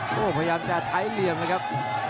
โอ้โหพยายามจะใช้เหลี่ยมเลยครับ